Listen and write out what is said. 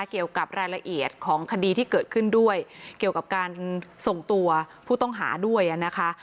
เกี่ยวกับรายละเอียดของคดีที่เกิดขึ้นด้วยเกี่ยวกับการส่งตัวผู้ต้องหาด้วยนะคะ